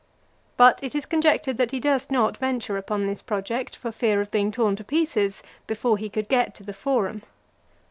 But it is conjectured that he durst not venture upon this project, for fear of being torn to pieces, before he could get to the Forum.